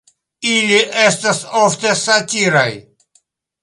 Ili estas ofte satiraj.